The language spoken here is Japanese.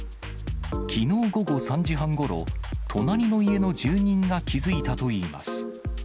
きのう午後３時半ごろ、隣の家の住人が気付いたといいます。